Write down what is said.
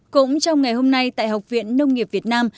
cũng trong ngày hôm nay tại học viện nông nghiệp việt nam